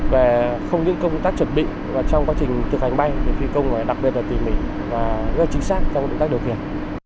về không những công tác chuẩn bị và trong quá trình thực hành bay để phi công đặc biệt là tỉ mỉ và rất chính xác trong công tác điều khiển